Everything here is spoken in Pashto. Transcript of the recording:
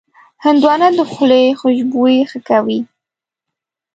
هندوانه د خولې خوشبويي ښه کوي.